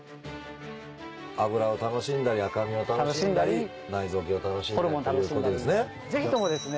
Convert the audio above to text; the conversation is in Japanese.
脂を楽しんだり赤身を楽しんだり内臓系を楽しんだりということですね。